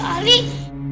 jadi g building